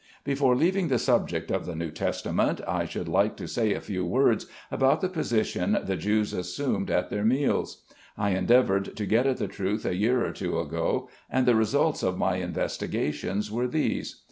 Before leaving the subject of the New Testament, I should like to say a few words about the position the Jews assumed at their meals. I endeavored to get at the truth a year or two ago, and the results of my investigations were these.